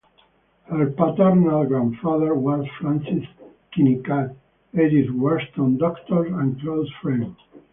Her paternal grandfather was Francis Kinnicutt, Edith Wharton's doctor and close friend.